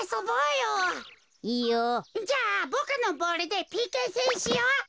じゃあボクのボールでＰＫせんしよう。